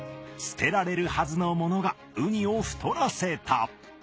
捨てられるはずのものがウニを太らせた。